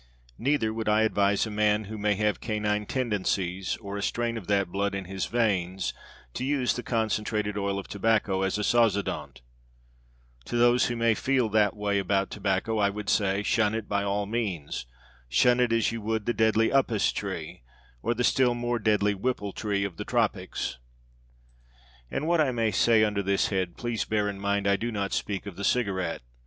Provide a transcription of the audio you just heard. Neither would I advise a man who may have canine tendencies or a strain of that blood in his veins to use the concentrated oil of tobacco as a sozodont. To those who may feel that way about tobacco I would say, shun it by all means. Shun it as you would the deadly upas tree or the still more deadly whipple tree of the topics. In what I may say under this head please bear in mind that I do not speak of the cigarette.